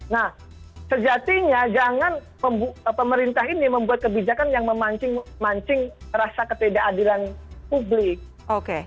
nah sejatinya jangan pemerintah ini membuat kebijakan yang memancing rasa ketidakadilan publik